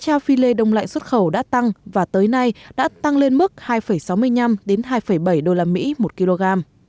giá cá tra phi lê đông lạnh xuất khẩu đã tăng và tới nay đã tăng lên mức hai sáu mươi năm hai bảy usd một kg